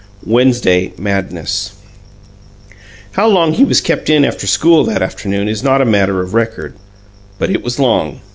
WEDNESDAY MADNESS How long he was "kept in" after school that afternoon is not a matter of record; but it was long.